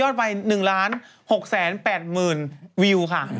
ตอนนี้ทำยอดไป๑๖๘หมื่นวิวค่ะ